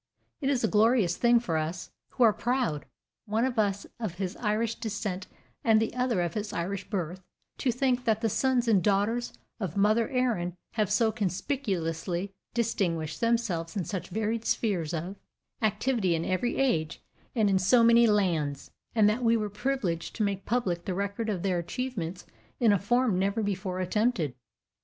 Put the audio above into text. It is a glorious thing for us, who are proud, one of us of his Irish descent and the other of his Irish birth, to think that the sons and daughters of mother Erin have so conspicuously distinguished themselves in such varied spheres of activity in every age and in so many lands, and that we were privileged to make public the record of their achievements in a form never before attempted.